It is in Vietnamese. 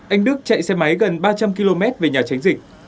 anh đức chạy xe máy gần ba trăm linh km về nhà tránh dịch